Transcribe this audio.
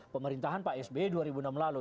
pemerintahan pak sby dua ribu enam lalu